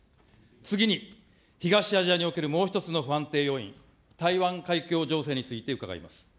次に、東アジアにおけるもう一つの不安定要因、台湾海峡情勢について伺います。